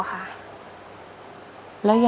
แพนด้วย